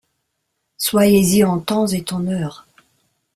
Soyez-y en temps et en heure !